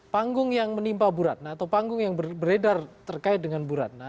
panggung yang menimpa bu ratna atau panggung yang beredar terkait dengan bu ratna